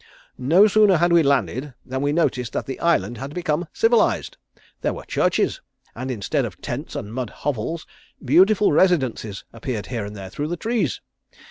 "No sooner had we landed than we noticed that the Island had become civilised. There were churches, and instead of tents and mud hovels, beautiful residences appeared here and there, through the trees.